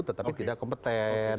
tetapi tidak kompeten